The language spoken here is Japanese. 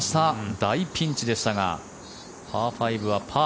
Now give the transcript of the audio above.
大ピンチでしたがパー５はパー。